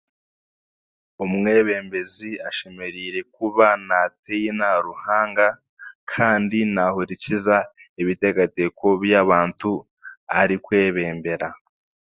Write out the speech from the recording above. Omwebembezi ashemereire kuba naatiina Ruhanga kandi naahurikiriza ebiteekateeko by'abantu abaarikwebembera.